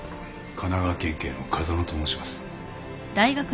神奈川県警の風間と申します。